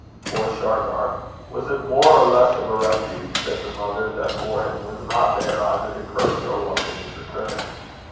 Poor Shargar! Was it more or less of a refuge that the mother that bore him was not there either to curse or welcome his return?